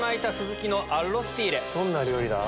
どんな料理だ？